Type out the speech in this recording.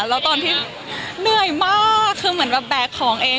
แล้วตอนที่เหนื่อยมากคือเหมือนแบบแบกของเอง